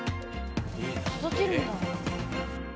育てるんだ。